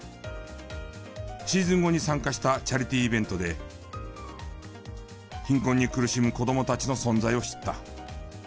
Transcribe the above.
シーズン後に参加したチャリティイベントで貧困に苦しむ子どもたちの存在を知った。